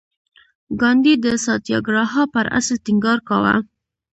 ګاندي د ساتیاګراها پر اصل ټینګار کاوه.